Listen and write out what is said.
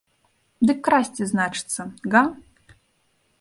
Дык красці, значыцца, га?